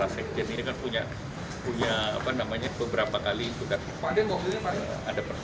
sekjen pantai itu enggak ada